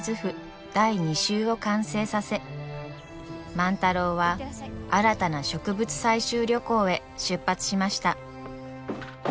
第２集を完成させ万太郎は新たな植物採集旅行へ出発しました。